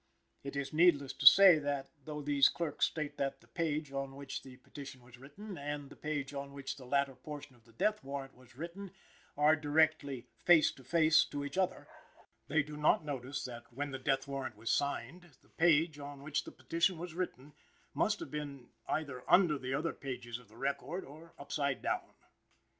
It is needless to say that, though these clerks state that the page, on which the petition was written, and the page, on which the latter portion of the death warrant was written, are "directly face to face to each other;" they do not notice that, when the death warrant was signed, the page, on which the petition was written, must have been, either under the other pages of the record, or upside down.